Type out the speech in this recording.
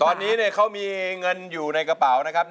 ตอนนี้เนี่ยเขามีเงินอยู่ในกระเป๋านะครับ